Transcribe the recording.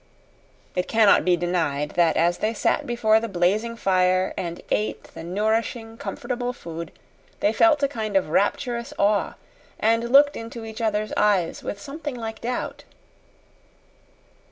It cannot be denied that as they sat before the blazing fire, and ate the nourishing, comfortable food, they felt a kind of rapturous awe, and looked into each other's eyes with something like doubt.